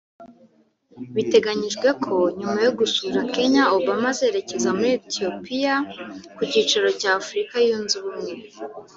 Biteganijwe ko nyuma yo gusura Kenya Obama azerekeza muri Etiyopiya ku cyicaro cya Afrika Yunze Ubumwe